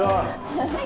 はい。